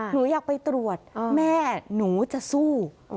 หนูอยากไปตรวจแม่หนูจะสู้